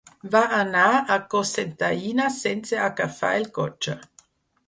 Va anar a Cocentaina sense agafar el cotxe.